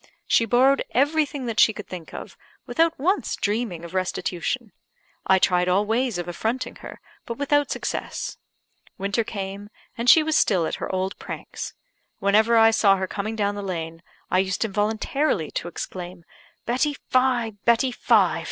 She borrowed everything that she could think of, without once dreaming of restitution. I tried all ways of affronting her, but without success. Winter came, and she was still at her old pranks. Whenever I saw her coming down the lane, I used involuntarily to exclaim, "Betty Fye! Betty Fye!